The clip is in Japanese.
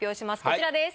こちらです。